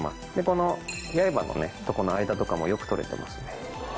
この八重歯のとこの間とかもよく取れてますね。